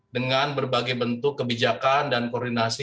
dengan berbagai bentuk kebijakan dan koordinasi